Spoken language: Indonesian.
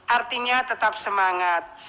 artinya tetap semangat